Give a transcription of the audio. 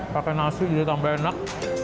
pakai nasi jadi tambah enak